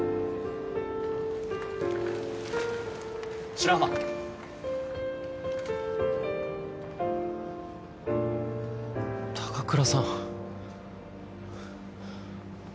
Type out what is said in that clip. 白浜高倉さん